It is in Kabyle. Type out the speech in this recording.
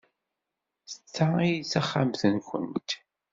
D ta ay d taxxamt-nwent?